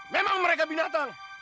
memang mereka binatang